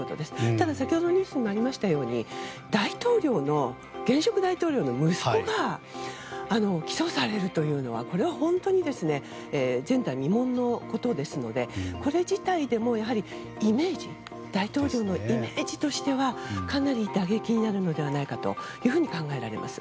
ただ先ほどニュースにもありましたように大統領の現職大統領の息子が起訴されるというのは本当に前代未聞のことですのでこれ自体でも大統領のイメージとしてはかなり打撃になるのではないかと考えられます。